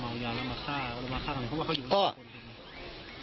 เพราะว่าเขาอยู่บ้านหลังเดียวกัน